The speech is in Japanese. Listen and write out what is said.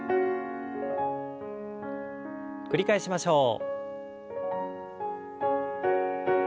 繰り返しましょう。